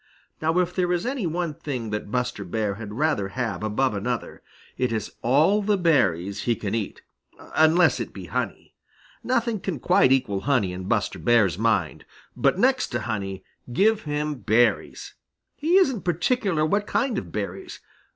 Now if there is any one thing that Buster Bear had rather have above another, it is all the berries he can eat, unless it be honey. Nothing can quite equal honey in Buster's mind. But next to honey give him berries. He isn't particular what kind of berries.